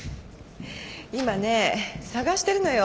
今ね探してるのよ